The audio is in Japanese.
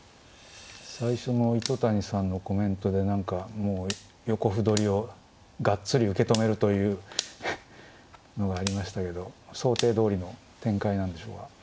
最初の糸谷さんのコメントで何かもう横歩取りをがっつり受け止めるというのがありましたけど想定どおりの展開なんでしょうか。